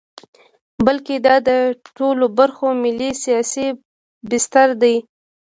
بلکې دا د ټولو برخو ملي سیاسي بستر دی.